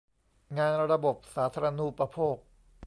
งานระบบสาธารณูปโภค